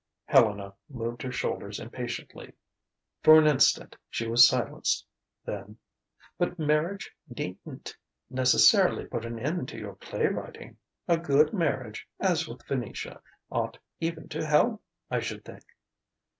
Helena moved her shoulders impatiently. For an instant she was silenced. Then: "But marriage needn't necessarily put an end to your playwriting. A good marriage as with Venetia ought even to help, I should think."